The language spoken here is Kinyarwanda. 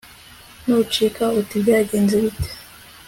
n ucika uti byagenze bite